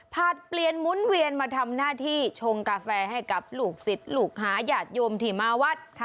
เปลี่ยนหมุนเวียนมาทำหน้าที่ชงกาแฟให้กับลูกศิษย์ลูกหายาดโยมที่มาวัด